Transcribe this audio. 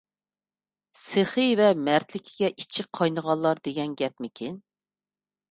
سېخىي ۋە مەردلىكىگە ئىچى قاينىغانلار دېگەن گەپمىكىن.